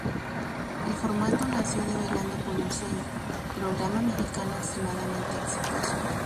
El formato nació de Bailando por un sueño, programa mexicano extremadamente exitoso.